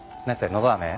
のどあめ？